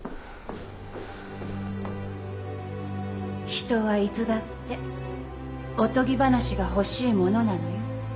人はいつだっておとぎ話が欲しいものなのよ。